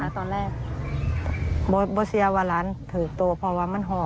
เชื่อไหมคะตอนแรก